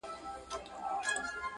• هم د ده هم یې د پلار د سر دښمن وي -